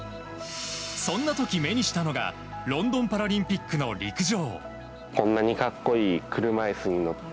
そんな時、目にしたのがロンドンパラリンピックの陸上。